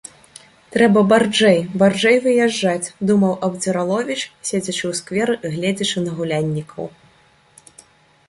«Трэба барджэй, барджэй выязджаць», — думаў Абдзіраловіч, седзячы ў сквэру і гледзячы на гуляннікаў.